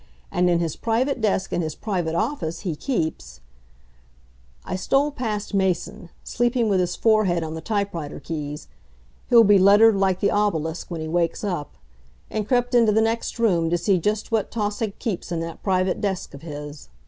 And in his private desk in his private office he keeps I stole past Mason, sleeping with his forehead on the type writer keys he'll be lettered like the obelisk when he wakes up and crept into the next room to see just what Tausig keeps in that private desk of his.